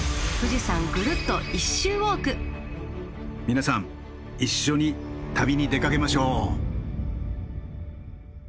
皆さん一緒に旅に出かけましょう。